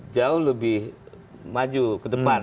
jauh lebih maju ke depan